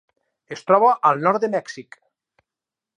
Es troba al nord de Mèxic.